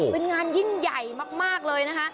เป็นงานยิ่งใหญ่มากเลยนะคะ